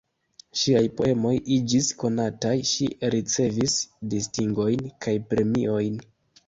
Ŝiaj poemoj iĝis konataj, ŝi ricevis distingojn kaj premiojn.